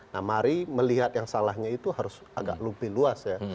nah mari melihat yang salahnya itu harus agak lebih luas ya